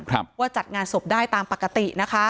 แต่จัดงานศพได้ตามปกติ